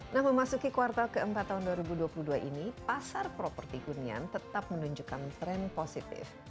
nah memasuki kuartal keempat tahun dua ribu dua puluh dua ini pasar properti hunian tetap menunjukkan tren positif